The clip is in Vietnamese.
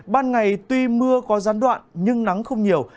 ban ngày tuy mưa có gián đoạn nhưng nắng không nhiều